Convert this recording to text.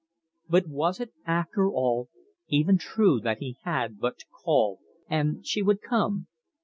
But was it, after all, even true that he had but to call and she would come?